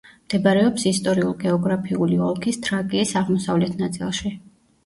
მდებარეობს ისტორიულ-გეოგრაფიული ოლქის თრაკიის აღმოსავლეთ ნაწილში.